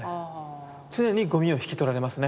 常にゴミを引き取られますね。